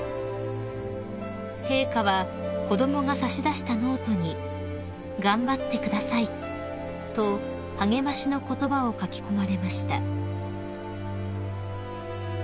［陛下は子供が差し出したノートに「がんばってください」と励ましの言葉を書き込まれました］